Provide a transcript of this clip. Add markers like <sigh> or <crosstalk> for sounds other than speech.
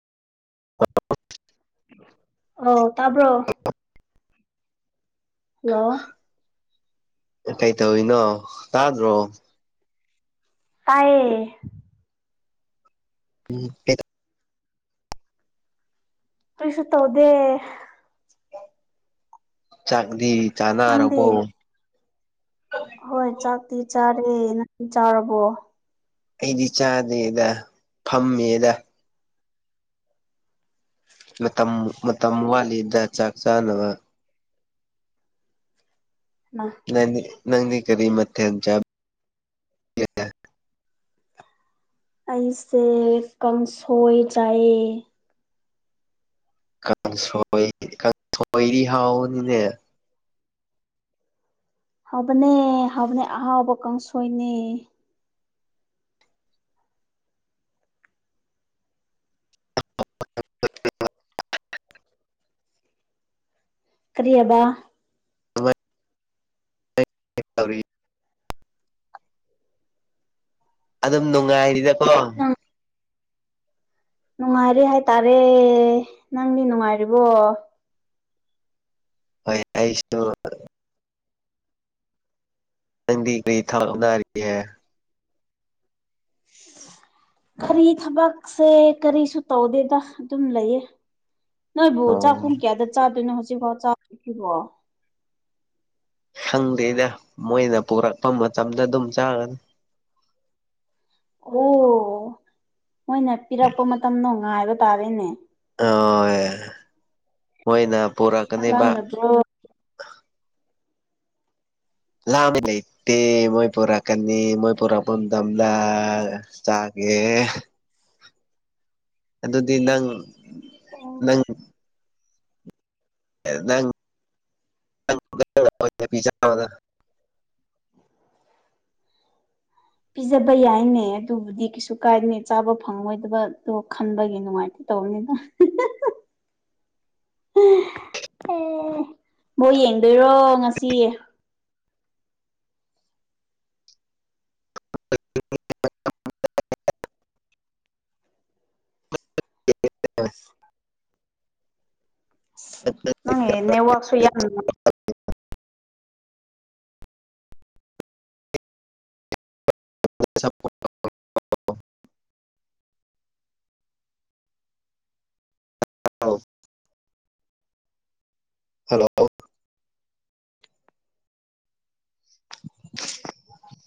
ꯑꯣ ꯇꯥꯕ꯭ꯔꯣ? ꯍꯜꯂꯣ ꯀꯩ ꯇꯧꯋꯤꯅꯣ ꯇꯥꯗ꯭ꯔꯣ? ꯇꯥꯌꯦ ꯎꯝ <unintelligible> ꯀꯔꯤꯁ ꯇꯧꯗꯦ ꯆꯥꯡꯗꯤ ꯅꯪꯗꯤ ꯆꯥꯅꯥꯔꯔꯕꯣ ꯍꯣꯏ ꯆꯥꯛꯇꯤ ꯆꯥꯔꯦ ꯅꯪ ꯆꯥꯔꯕꯣ ꯑꯩꯗꯤ ꯆꯥꯗꯦꯗ ꯐꯝꯃꯦꯗ ꯎ ꯃꯇꯝ ꯃꯇꯝ ꯋꯥꯠꯂꯤꯗ ꯆꯥꯛ ꯆꯥꯅꯕ ꯎ ꯅꯪ ꯅꯪꯅꯤ ꯀꯔꯤ ꯃꯊꯦ ꯆ ꯑꯩꯁꯦ ꯀꯥꯡꯁꯣꯏ ꯆꯥꯏꯌꯦ ꯀꯥꯡꯣꯏ ꯀꯥꯡꯁꯣꯏꯔꯤ ꯍꯥꯎꯅꯤꯅꯦ ꯍꯕꯅꯦ ꯍꯕꯅꯦ ꯑꯍꯥꯎꯕ ꯀꯥꯡꯁꯣꯏꯅꯦ ꯀ꯭ꯔꯤꯌꯥꯕ <inaudible> <inaudible> <inaudible> ꯑꯗꯨꯝ ꯅꯨꯡꯉꯥꯏꯔꯤꯗꯀꯣ ꯅꯪ ꯅꯨꯡꯉꯥꯏꯔꯦ ꯍꯥꯏꯇꯥꯔꯦ ꯅꯪꯗꯤ ꯅꯨꯡꯉꯥꯏꯔꯤꯕꯣ ꯍꯣꯏ ꯏꯁ ꯅꯪꯗꯤ ꯀꯔꯤ ꯊꯥꯛꯛꯅꯔꯤꯑꯦ ꯀꯔꯤ ꯊꯕꯛꯁꯦ ꯀꯔꯤꯁꯨ ꯇꯧꯗꯦꯗ ꯑꯗꯨꯝ ꯂꯩꯌꯦ ꯅꯣꯏꯕꯨ ꯆꯥꯛ ꯑꯣ ꯄꯨꯡ ꯀꯌꯥꯗ ꯆꯥꯗꯣꯏꯅꯣ ꯍꯧꯖꯤꯛꯐꯥꯎ ꯆꯥꯈꯤꯕꯣ ꯈꯪꯗꯦꯗ ꯃꯣꯏꯅ ꯄꯨꯔꯛꯄ ꯃꯇꯝꯗ ꯑꯗꯨꯝ ꯆꯥꯒꯅꯤ ꯑꯣ ꯃꯣꯏꯅ ꯄꯤꯔꯛꯄ ꯃꯇꯝꯗꯣ ꯉꯥꯏꯕ ꯇꯥꯔꯦꯅꯦ ꯑꯣ ꯃꯣꯏꯅ ꯄꯨꯔꯛꯀꯅꯦꯕ ꯆꯥꯛꯂꯝꯗꯕ꯭ꯔꯣ ꯂꯥꯃꯤ ꯂꯩꯇꯦ ꯃꯣꯏ ꯄꯨꯔꯛꯀꯅꯤ ꯃꯣꯏ ꯄꯨꯔꯛꯄ ꯃꯇꯝꯗ ꯆꯀꯦ ꯑꯗꯨꯗꯤ ꯅꯪ ꯑꯣ ꯅꯪ ꯅꯪ ꯆꯥꯗ ꯄꯤꯖꯕ ꯌꯥꯏꯅꯦ ꯑꯗꯨꯕꯨꯗꯤ ꯀꯩꯁꯨ ꯀꯥꯏꯅꯦ ꯆꯥꯕ ꯐꯪꯉꯣꯏꯗꯕꯗꯣ ꯈꯟꯕꯒꯤ ꯅꯨꯡꯉꯥꯏꯇꯦ ꯇꯧꯕꯅꯤꯗ <inaudible> <inaudible> <inaudible> ꯃꯣꯏ ꯌꯦꯡꯗꯣꯏꯔꯣ ꯉꯁꯤ <inaudible> ꯑꯣꯀꯦ ꯅꯪꯦ ꯅꯦꯠꯋꯔꯛꯁꯨ ꯌꯥꯝ <unintelligible> ꯍꯜꯂꯣ